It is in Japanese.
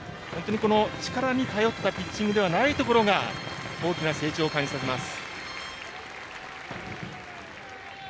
この力に頼ったピッチングではないところが大きな成長を感じさせます。